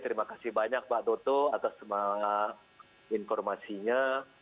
terima kasih banyak mbak doto atas semua informasinya